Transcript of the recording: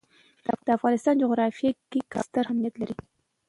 د افغانستان جغرافیه کې کابل ستر اهمیت لري.